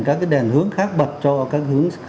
các cái đèn hướng khác bật cho các hướng